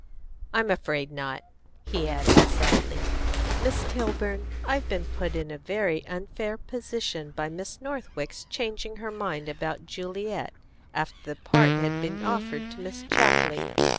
"I'm afraid not," he added sadly. "Miss Kilburn, I've been put in a very unfair position by Miss Northwick's changing her mind about Juliet, after the part had been offered to Miss Chapley.